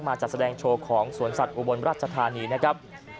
จัดแสดงโชว์ของสวนสัตว์อุบลราชธานีนะครับ